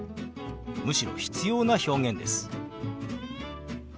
むしろ必要な表現です。